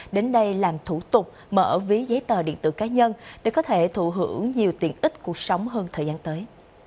đến đây làm thủ tục mở ví giấy tờ điện tử cá nhân để có thể thụ hưởng nhiều tiện ích cuộc sống hơn thời gian tới